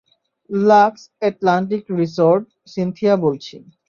Lux Atlantic resort, Cynthia বলছি।